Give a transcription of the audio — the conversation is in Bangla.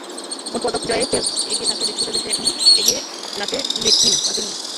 মোট পদক জয়ে ফেল্প্স এগিয়ে থাকলেও ব্যক্তিগত ইভেন্টে এখনো এগিয়ে লাতিনিনা।